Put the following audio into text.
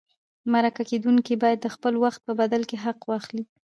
مرکه کېدونکی باید د خپل وخت په بدل کې حق واخلي.